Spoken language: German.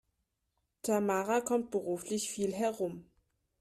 Tamara kommt beruflich viel herum.